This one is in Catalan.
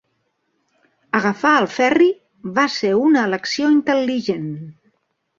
Agafar el ferri va ser una elecció intel·ligent.